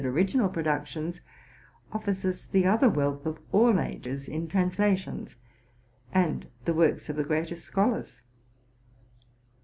original productions, offers us the other wealth of all ages in translations, and the works of the greatest scholars.